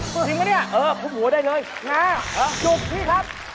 จริงปะเนี่ยเออคุมหัวได้เลยนะจุกพี่ครับ